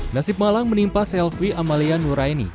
nasib malang menimpa selfie amalia nuraini